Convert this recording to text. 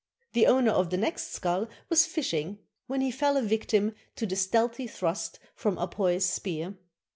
The owner of the next skull was fishing when he fell a victim to a stealthy thrust from Apoi's spear.